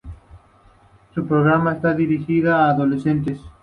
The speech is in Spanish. Su programación está dirigida a adolescentes.